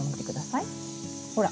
ほら。